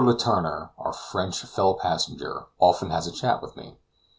Letourneur, our French fellow passenger, often has a chat with me.